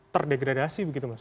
terdegradasi begitu mas